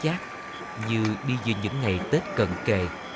cái cảm giác như đi giữa những ngày tết cận kề